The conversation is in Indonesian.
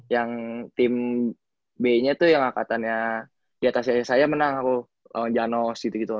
yang tim b nya tuh yang angkatannya diatasnya saya menang aku lawan janos gitu gitu loh